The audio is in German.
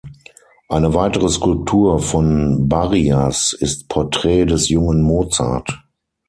Eine weitere Skulptur von Barrias ist „Porträt des jungen Mozart“.